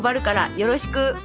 よろしく！！」。